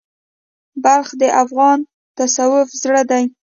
بلخ د افغان تصوف زړه دی.